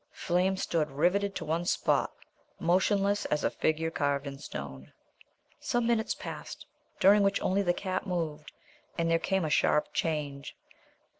Flame stood riveted to one spot, motionless as a figure carved in stone. Some minutes passed, during which only the cat moved, and there came a sharp change.